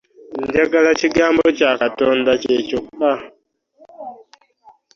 Njagala kigambo kya Katonda kye kyokka.